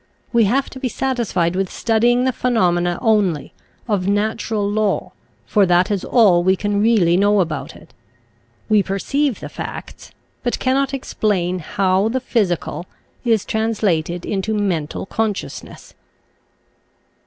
We have to be satisfied with studying the phenomena only, of natural law, for that is all we can really know about it. We perceive the facts, but cannot explain how the physical is trans lated into mental consciousness.